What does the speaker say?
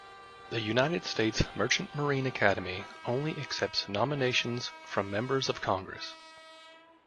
The United States Merchant Marine Academy only accepts nominations from members of Congress.